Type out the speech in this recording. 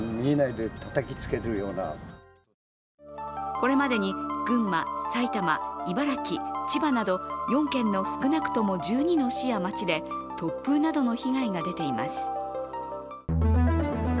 これまでに、群馬、埼玉、茨城、千葉など４県の少なくとも１２の市や町で突風などの被害が出ています。